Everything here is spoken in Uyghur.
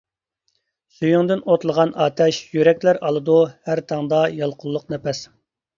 سۈيۈڭدىن ئوتلىغان ئاتەش يۈرەكلەر ئالىدۇ ھەر تاڭدا يالقۇنلۇق نەپەس.